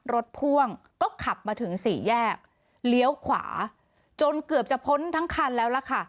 พ่วงก็ขับมาถึงสี่แยกเลี้ยวขวาจนเกือบจะพ้นทั้งคันแล้วล่ะค่ะ